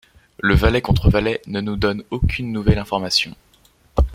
Le valet contre valet ne nous donne aucune nouvelle information.